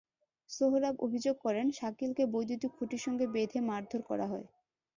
সোহরাব অভিযোগ করেন, শাকিলকে বৈদ্যুতিক খুঁটির সঙ্গে বেঁধে মারধর করা হয়।